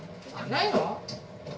ないの？